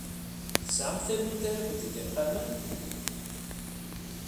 Tesɛamt tallunt ara kent-id-iqamen?